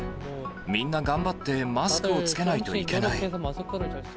みんな頑張ってマスクを着けないといけない。